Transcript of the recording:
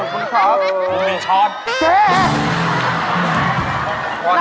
มันใช่หรือใจบูรรดะ